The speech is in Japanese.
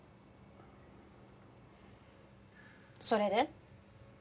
それで？